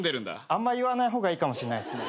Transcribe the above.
あんま言わない方がいいかもしんないっすね。